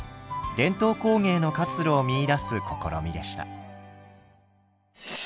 伝統工芸の活路を見いだす試みでした。